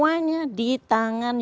apapun yang berkaitan dengan itu